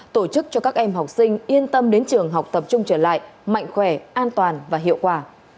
tổ chức cho các em học sinh yên tâm đến trường học tập trung trở lại mạnh khỏe an toàn và hiệu quả